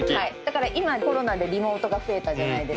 今コロナでリモートが増えたじゃないですか。